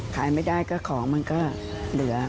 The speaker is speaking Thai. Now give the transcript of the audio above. ขายไม่ได้ก็ของมันก็เหลือ